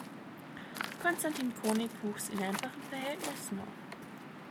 Konstantin Konik wuchs in einfachen Verhältnissen auf.